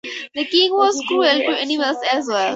The King was cruel to animals as well.